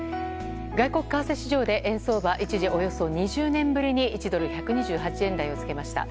外国為替市場で円相場、一時およそ２０年ぶりに１ドル＝１２８円台をつけました。